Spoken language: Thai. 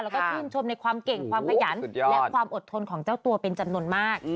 แล้วก็ชื่นชมในความเก่งความขยันและความอดทนของเจ้าตัวเป็นจำนวนมาก